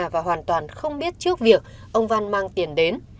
và hoàn toàn không biết trước việc ông văn mang tiền đến